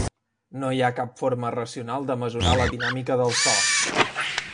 No hi ha cap forma racional de mesurar la dinàmica del so.